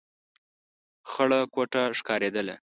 خړه کوټه ښکارېدله.